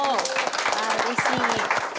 ああうれしい！